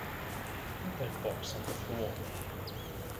Put that box on the floor.